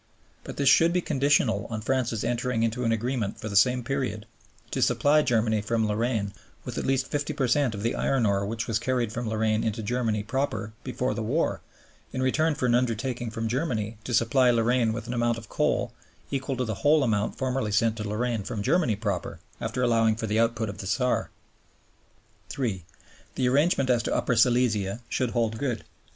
But this should be conditional on France's entering into an agreement for the same period to supply Germany from Lorraine with at least 50 per cent of the iron ore which was carried from Lorraine into Germany proper before the war, in return for an undertaking from Germany to supply Lorraine with an amount of coal equal to the whole amount formerly sent to Lorraine from Germany proper, after allowing for the output of the Saar. (3) The arrangement as to Upper Silesia should hold good.